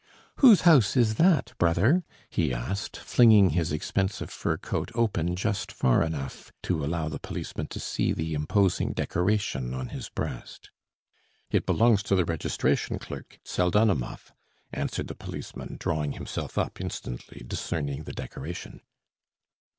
"Whose house is that, brother?" he asked, flinging his expensive fur coat open, just far enough to allow the policeman to see the imposing decoration on his breast. "It belongs to the registration clerk Pseldonimov," answered the policeman, drawing himself up instantly, discerning the decoration.